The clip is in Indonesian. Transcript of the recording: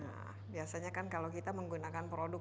nah biasanya kan kalau kita menggunakan produk